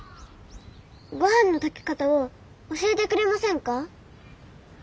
ごはんの炊き方を教えてくれませんか？